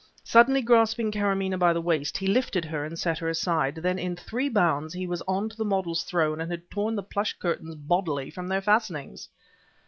Suddenly grasping Karamaneh by the waist, he lifted her and set her aside; then in three bounds he was on to the model's throne and had torn the Plush curtains bodily from their fastenings.